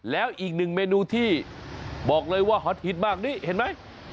แล้วอีกหนึ่งเมนูที่บอกเลยว่าฮอตฮิตมากนี่เห็นไหม